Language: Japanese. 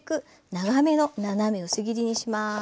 長めの斜め薄切りにします。